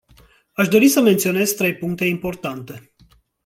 Aș dori să menționez trei puncte importante.